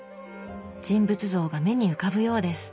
人物像が目に浮かぶようです。